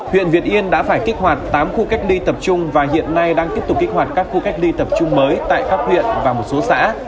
huyện việt yên đã phải kích hoạt tám khu cách ly tập trung và hiện nay đang tiếp tục kích hoạt các khu cách ly tập trung mới tại các huyện và một số xã